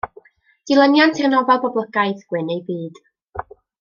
Dilyniant i'r nofel boblogaidd, Gwyn eu Byd.